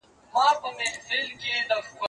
زه واښه راوړلي دي!.